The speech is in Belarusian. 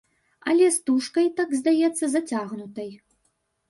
Але стужка й так здаецца зацягнутай.